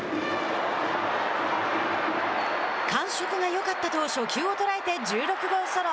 感触がよかったと初球を捉えて１６号ソロ。